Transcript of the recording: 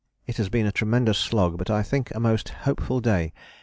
"It has been a tremendous slog, but I think a most hopeful day.